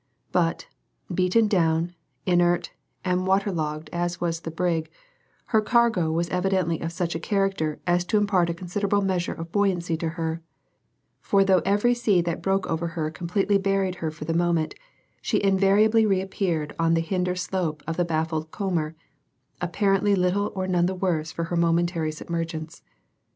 But, beaten down, inert, and waterlogged as was the brig, her cargo was evidently of such a character as to impart a considerable measure of buoyancy to her; for though every sea that broke over her completely buried her for the moment, she invariably reappeared on the hinder slope of the baffled comber, apparently little or none the worse for her momentary submergence.